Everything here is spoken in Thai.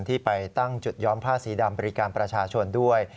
ที่ไปตั้งจุดย้อมผ้าสีดำบริการประชาชนด้วย